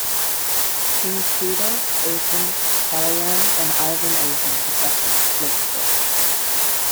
Kings Petar, Asen, Kaloyan and Ivan Asen the second lived there.